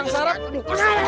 sarap ya sarap ya